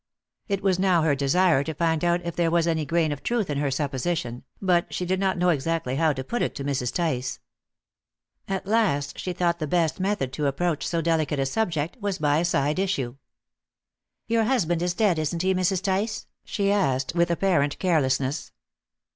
It was now her desire to find out if there was any grain of truth in her supposition, but she did not know exactly how to put it to Mrs. Tice. At last she thought the best method to approach so delicate a subject was by a side issue. "Your husband is dead, isn't he, Mrs. Tice?" she asked with apparent carelessness.